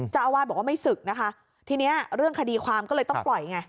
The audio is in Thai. เจ้าอาวาสบอกว่าไม่ศึกนะคะทีนี้เรื่องคดีความก็เลยต้องปล่อยไง